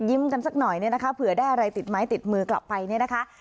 กันสักหน่อยเนี่ยนะคะเผื่อได้อะไรติดไม้ติดมือกลับไปเนี่ยนะคะ